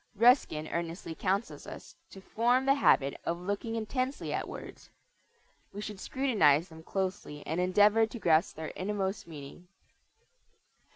Ruskin earnestly counsels us to form the habit of looking intensely at words. We should scrutinize them closely and endeavor to grasp their innermost meaning.